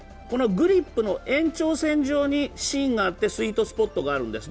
グリップの延長線上に芯があってスイートスポットがあるんです。